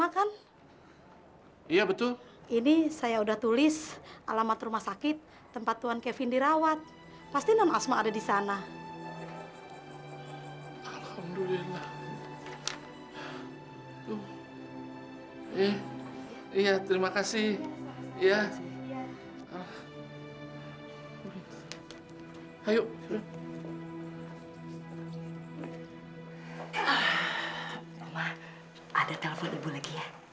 kondisi tuan kevin belum pulih benar